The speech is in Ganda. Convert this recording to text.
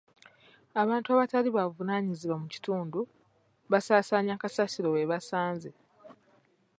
Abantu abatali ba buvunaanyizibwa mu kitundu basaasaanya kasasiro we basanze.